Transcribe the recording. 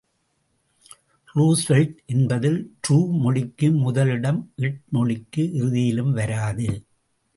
Roosevelt என்பதில் ரூ மொழிக்கு முதலிலும் ட் மொழிக்கு இறுதியிலும் வராது.